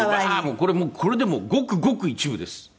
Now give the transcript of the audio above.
これでもごくごく一部です。